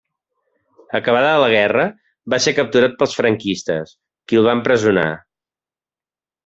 Acabada la guerra, va ser capturat pels franquistes, qui el va empresonar.